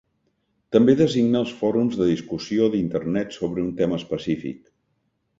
També designa els fòrums de discussió d'Internet sobre un tema específic.